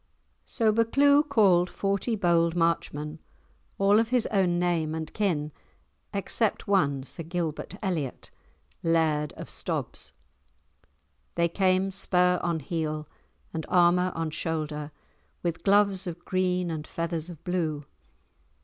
So Buccleuch called forty bold Marchmen, all of his own name and kin except one, Sir Gilbert Elliot, Laird of Stobs. They came spur on heel and armour on shoulder, with gloves of green and feathers of blue.